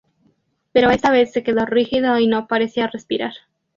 Pero esta vez se quedó rígido y no parecía respirar.